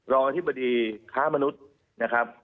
อธิบดีค้ามนุษย์นะครับ